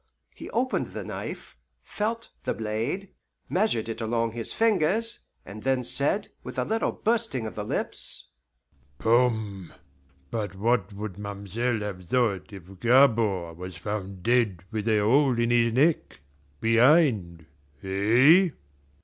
He opened the knife, felt the blade, measured it along his fingers, and then said, with a little bursting of the lips, "Poom! But what would ma'm'selle have thought if Gabord was found dead with a hole in his neck behind? Eh?"